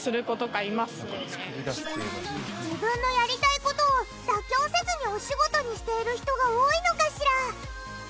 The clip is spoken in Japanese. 自分のやりたい事を妥協せずにお仕事にしている人が多いのかしら？